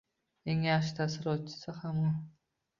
eng yaxshi tasarrufchisi ham u.